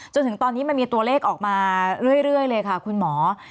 จนถึงตอนนี้มันมีตัวเลขออกมาเรื่อยเลยค่ะคุณหมอ